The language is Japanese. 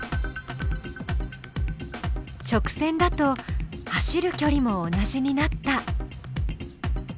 直線だと走るきょりも同じになった。